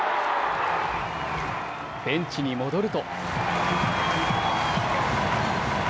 ベンチに戻ると。